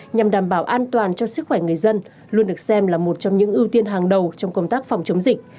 nhằm đảm bảo an toàn cho sức khỏe người dân luôn được xem là một trong những ưu tiên hàng đầu trong công tác phòng chống dịch